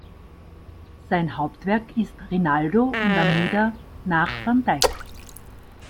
Sein Hauptwerk ist "Rinaldo und Armida" nach van Dyck.